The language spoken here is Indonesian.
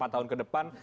empat tahun ke depan